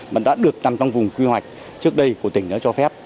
mà đã được nằm trong vùng quy hoạch trước đây của tỉnh đã cho phép